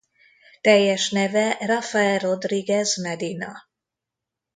Teljes neve Rafael Rodriguez Medina.